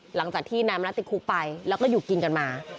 หลังจากที่นายมณัติติดคุกไปแล้วก็อยู่กินกันมา